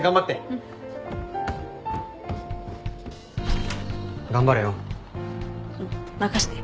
うん任して。